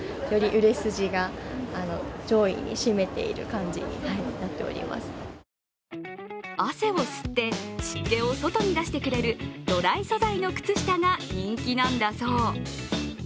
６月に入り売り上げ好調なのが汗を吸って湿気を外に出してくれるドライ素材の靴下が人気なんだそう。